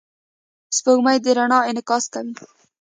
سپوږمۍ د رڼا انعکاس کوي.